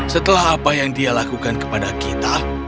setelah apa yang dia lakukan kepada kita